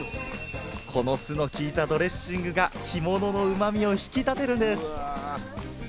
この酢のきいたドレッシングが干物のうまみを引き立てるんです。